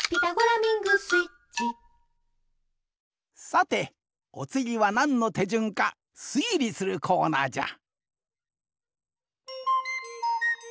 さておつぎはなんのてじゅんかすいりするコーナーじゃ！